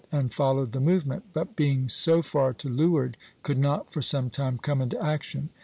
1, C'), and followed the movement, but being so far to leeward, could not for some time come into action.